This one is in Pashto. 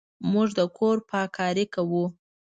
موږ د کور پاککاري کوو.